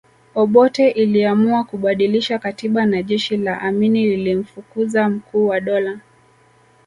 Obote iliamua kubadilisha katiba na jeshi la Amini lilimfukuza Mkuu wa Dola